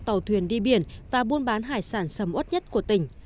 là một trong những hải sản sầm ốt nhất của tỉnh